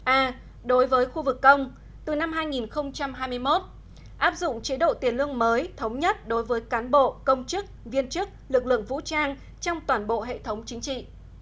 a đối với khu vực công từ năm hai nghìn hai mươi một áp dụng chế độ tiền lương mới thống nhất đối với cán bộ công chức viên chức lực lượng vũ trang trong toàn bộ hệ thống chính trị